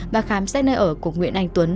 và khám xét nơi ở của nguyễn anh tuấn